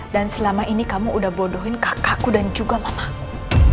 dan selama ini kamu udah bodohin kakakku dan juga mamaku